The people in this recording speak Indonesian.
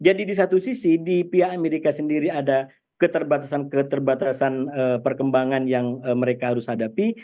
jadi di satu sisi di pihak amerika sendiri ada keterbatasan keterbatasan perkembangan yang mereka harus hadapi